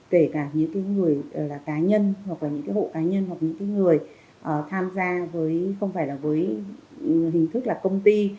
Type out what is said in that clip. kể cả những người là cá nhân hoặc là những cái hộ cá nhân hoặc những người tham gia với không phải là với hình thức là công ty